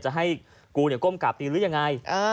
จะให้กูก้มกราบตีหรือยังไง